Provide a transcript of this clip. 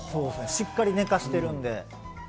しっかり寝かしてるんで。